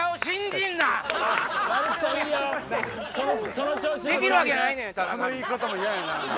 その言い方嫌やな。